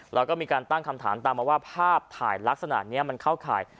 แล้วก็มีการตั้งคำถามตามมาว่าภาพถ่ายลักษณะนี้มันเข้าข่าย